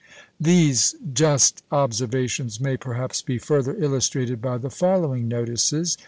These just observations may, perhaps, be further illustrated by the following notices.